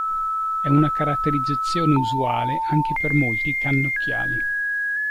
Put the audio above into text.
È una caratterizzazione usuale anche per molti cannocchiali.